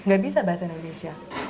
gak bisa bahasa indonesia